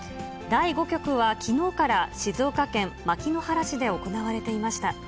第５局はきのうから、静岡県牧之原市で行われていました。